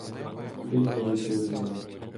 Туди й полетіли вони.